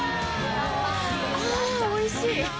あぁおいしい！